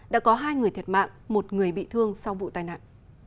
đã có hai người thiệt mạng một người bị thương sau vụ tai nạn